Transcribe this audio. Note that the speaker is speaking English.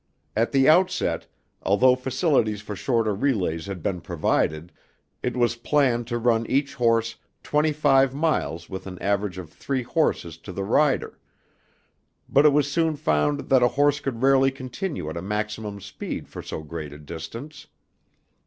At the outset, although facilities for shorter relays had been provided, it was planned to run each horse twenty five miles with an average of three horses to the rider; but it was soon found that a horse could rarely continue at a maximum speed for so great a distance.